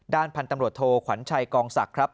พันธุ์ตำรวจโทขวัญชัยกองศักดิ์ครับ